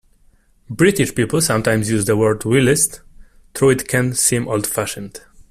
British people sometimes use the word whilst, though it can seem old fashioned